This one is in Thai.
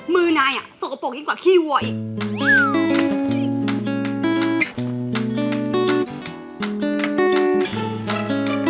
มือนายอ่ะสกปรกอีกกว่าขี้หัวอีก